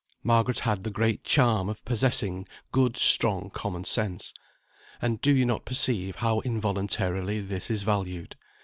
Margaret had the great charm of possessing good strong common sense, and do you not perceive how involuntarily this is valued?